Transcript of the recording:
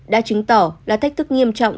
đã chứng tỏ là thách thức nghiêm trọng